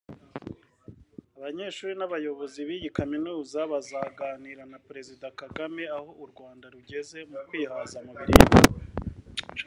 Abanyeshuri n’abayobozi b’iyi Kaminuza bazaganira na Perezida Kagame aho u Rwanda rugeze mu kwihaza mu biribwa